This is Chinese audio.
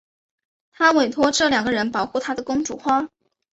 她委托这两个人保护她的公主花。